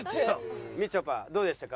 みちょぱどうでしたか？